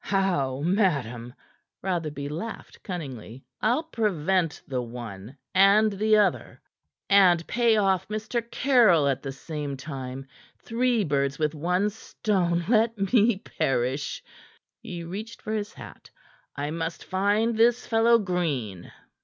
"How, madam?" Rotherby laughed cunningly. "I'll prevent the one and the other and pay off Mr. Caryll at the same time. Three birds with one stone, let me perish!" He reached for his hat. "I must find this fellow Green."